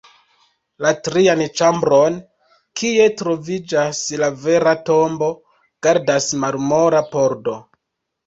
La trian ĉambron, kie troviĝas la vera tombo, gardas marmora pordo.